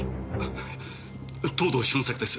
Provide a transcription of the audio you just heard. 藤堂俊作です。